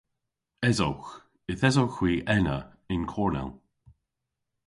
Esowgh. Yth esowgh hwi ena y'n kornel.